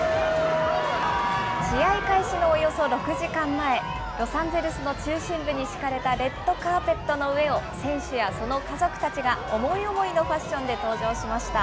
試合開始のおよそ６時間前、ロサンゼルスの中心部に敷かれたレッドカーペットの上を、選手やその家族たちが思い思いのファッションで登場しました。